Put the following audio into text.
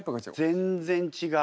全然違う。